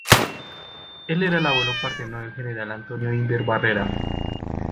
Él era el abuelo paterno del general Antonio Imbert Barrera.